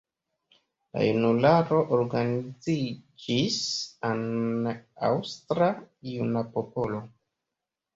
La junularo organiziĝis en Aŭstra Juna Popolo.